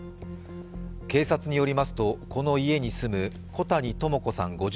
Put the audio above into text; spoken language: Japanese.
警察によりますと、この家に住む小谷朋子さん